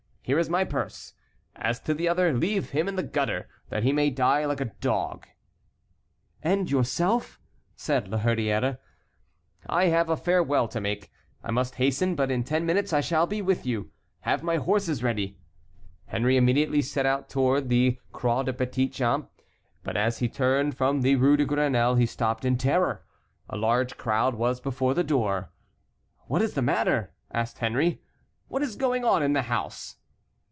Here is my purse. As to the other, leave him in the gutter, that he may die like a dog." "And yourself?" said La Hurière. "I have a farewell to make. I must hasten, but in ten minutes I shall be with you. Have my horses ready." Henry immediately set out towards the Croix des Petits Champs; but as he turned from the Rue de Grenelle he stopped in terror. A large crowd was before the door. "What is the matter?" asked Henry. "What is going on in the house?"